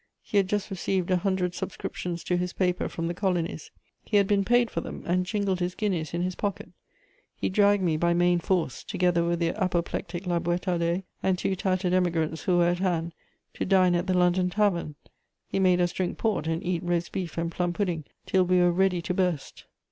He had just received a hundred subscriptions to his paper from the colonies; he had been paid for them, and jingled his guineas in his pocket. He dragged me by main force, together with the apoplectic La Boüétardais and two tattered Emigrants who were at hand, to dine at the London Tavern. He made us drink port and eat roast beef and plum pudding till we were ready to burst.